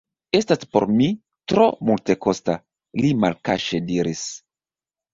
Estas por mi tro multekosta, li malkaŝe diris.